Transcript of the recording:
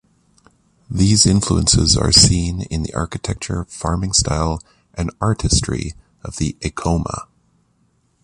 These influences are seen in the architecture, farming style, and artistry of the Acoma.